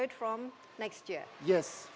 jadi emisi yang lebih bersih